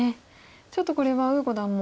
ちょっとこれは呉五段も。